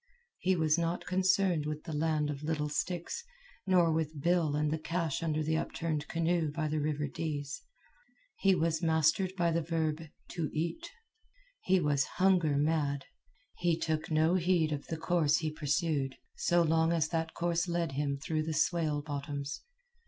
He was not concerned with the land of little sticks, nor with Bill and the cache under the upturned canoe by the river Dease. He was mastered by the verb "to eat." He was hunger mad. He took no heed of the course he pursued, so long as that course led him through the swale bottoms.